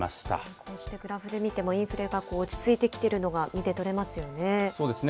こうしてグラフで見ても、インフレが落ち着いてきているのがそうですね。